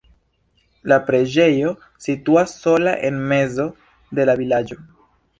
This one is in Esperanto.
La preĝejo situas sola en mezo de la vilaĝo.